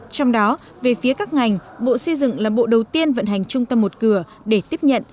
trong đó về phía các ngành bộ xây dựng là bộ đầu tiên vận hành trung tâm một cửa để tiếp nhận